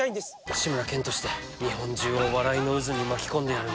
「志村けんとして日本中を笑いの渦に巻き込んでやるんだ」